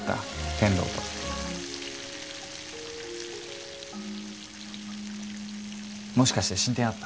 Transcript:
天堂ともしかして進展あった？